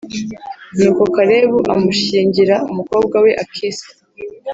nuko Kalebu amushyingira umukobwa we Akisa.